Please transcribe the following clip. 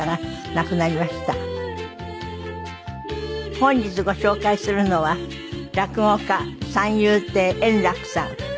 本日ご紹介するのは落語家三遊亭円楽さん。